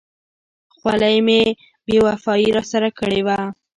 خولۍ مې بې وفایي را سره کړې وه.